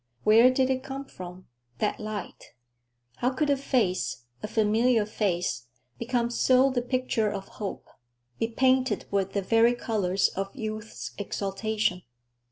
Where did it come from, that light? How could a face, a familiar face, become so the picture of hope, be painted with the very colors of youth's exaltation?